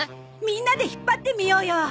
みんなで引っ張ってみようよ。